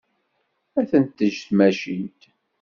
Ad ten-teǧǧ tmacint.